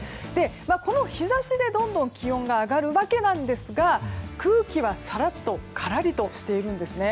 この日差しでどんどん気温が上がるわけなんですが空気はさらっとからりとしているんですね。